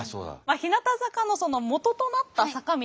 日向坂のそのもととなった坂道